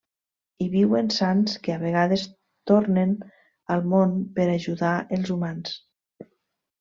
Hi viuen sants, que a vegades tornen al món per ajudar els humans.